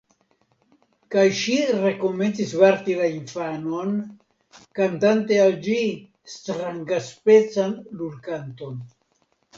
Kaj ŝi rekomencis varti la infanon, kantante al ĝi strangaspecan lulkanton.